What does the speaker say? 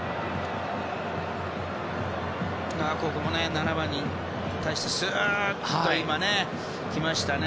７番に対してスーッと来ましたね